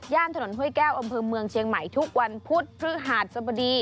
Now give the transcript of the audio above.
ถนนห้วยแก้วอำเภอเมืองเชียงใหม่ทุกวันพุธพฤหัสสบดี